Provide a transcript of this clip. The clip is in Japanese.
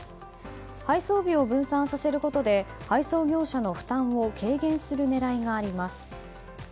配送日を分散させることで配送業者の負担を軽減する狙いがあります。